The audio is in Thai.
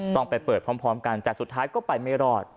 ต้องไปเปิดพร้อมกันแต่สุดท้ายก็ไปไม่รอด